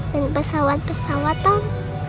terima kasih besar kak